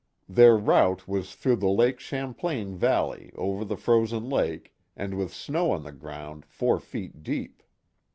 Their route was through the Lake Champlain Valley, over the frozen lake, and with snow on the ground four feet deep.